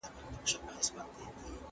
موږ تلپاتې سوله غواړو.